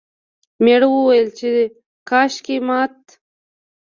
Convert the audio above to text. میړه وویل چې کاشکې مات...